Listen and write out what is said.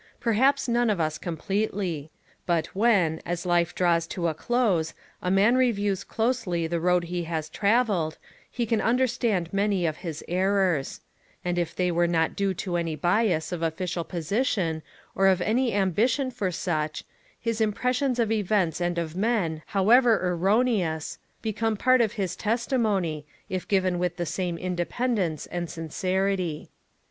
Perhaps none of us completely ; but when, as life draws to a close, a man reviews closely the road he has travelled, he can understand many of his errors ; and if they were not due to any bias of official position or of any ambition for such, his impressions of events and of men, how ever erroneous, become part of his testimony, if given with the same independence and sincerity.